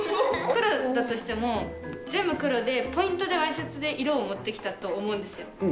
黒だとしても、全部黒でポイントでワイシャツで色を持ってきたと思うんです。